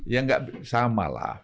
ya nggak sama lah